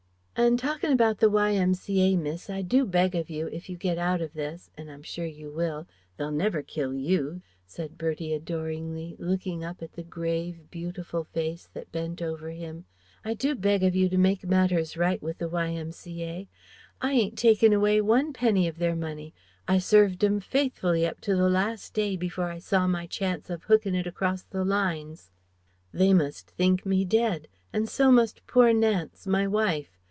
"And talkin' about the Y.M.C.A., miss, I do beg of you, if you get out of this an' I'm sure you will they'll never kill you," said Bertie adoringly, looking up at the grave, beautiful face that bent over him "I do beg of you to make matters right with the Y.M.C.A. I ain't taken away one penny of their money I served 'em faithfully up to the last day before I saw my chance of hooking it across the lines They must think me dead and so must poor Nance, my wife.